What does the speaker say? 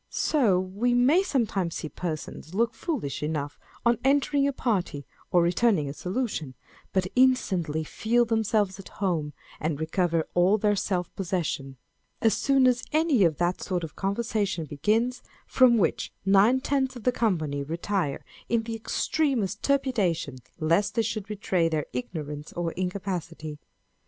So we may sometimes sec persons look foolish enough on entering a party, or returning a salutation, who instantly feel themselves at home, and recover all their self possession, as soon as any of that sort of conversation begins from which nine tenths of the company retire in the extremest trepidation lest the}r should betray their ignorance or incapacity.